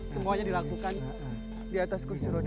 semuanya dilakukan di atas kursi roda